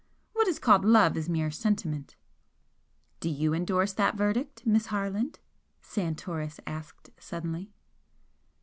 What is called love is mere sentiment." "Do you endorse that verdict, Miss Harland?" Santoris asked, suddenly.